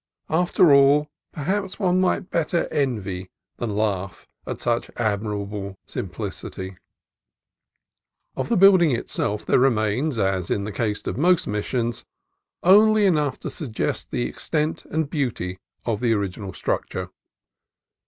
After all, perhaps one might better envy than laugh at such admirable simplicity. Of the building itself there remains, as in the case of most of the Missions, only enough to suggest the extent and beauty of the original structure.